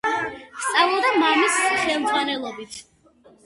სწავლობდა მამის ხელმძღვანელობით.